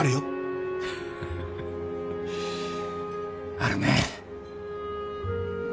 あるね。